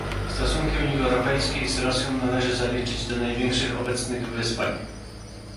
Stosunki Unii Europejskiej z Rosją należy zaliczyć do największych obecnych wyzwań